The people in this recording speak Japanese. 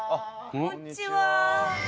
こんにちは。